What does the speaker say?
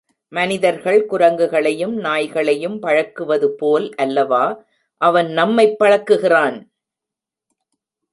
மனிதர்கள் குரங்குகளையும், நாய்களையும் பழக்குவது போல் அல்லவா அவன் நம்மைப் பழக்குகிறான்?